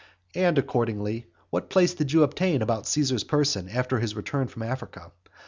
And accordingly, what place did you obtain about Caesar's person after his return from Africa?